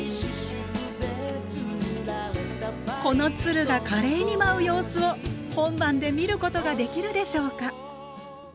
この鶴が華麗に舞う様子を本番で見ることができるでしょうか。